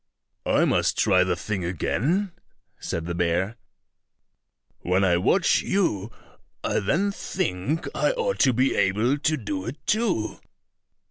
"I must try the thing again," said the bear; "when I watch you, I then think I ought to be able to do it too."